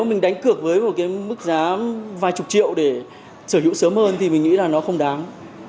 mình đánh cược với một cái mức giá vài chục triệu để sở hữu sớm hơn thì mình nghĩ là nó không đáng